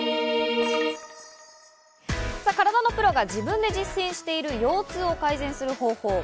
体のプロが自分で実践している腰痛を改善する方法。